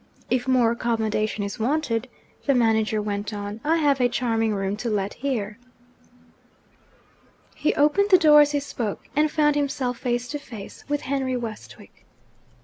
'If more accommodation is wanted,' the manager went on, 'I have a charming room to let here.' He opened the door as he spoke, and found himself face to face with Henry Westwick.